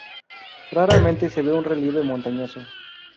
Raramente se ve un relieve montañoso.